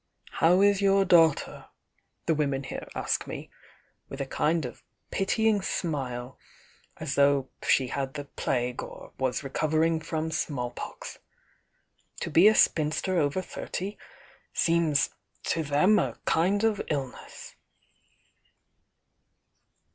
How IS your daughter?' the women here ask me, with a kind of pitying smile, as though she had tlie plague, or was recovering from small pox. To be a spinster oyer thirty seems to them a kind of Ubess."